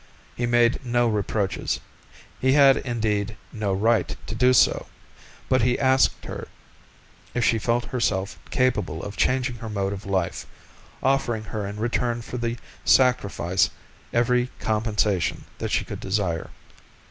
He made no reproaches, he had indeed no right to do so, but he asked her if she felt herself capable of changing her mode of life, offering her in return for the sacrifice every compensation that she could desire.